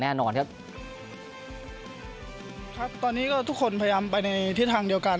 แน่นอนครับครับตอนนี้ก็ทุกคนพยายามไปในทิศทางเดียวกัน